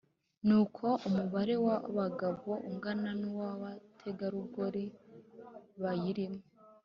ni uko umubare w’abagabo ungana n’uw’abategarugoli bayirimo